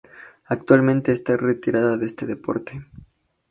Actualmente está retirada de este deporte.